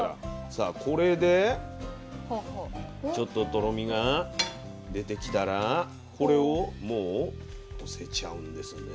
さあこれでちょっととろみが出てきたらこれをもうのせちゃうんですね。